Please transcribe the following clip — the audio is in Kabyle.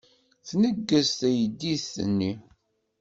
Tneggez teydit-nni.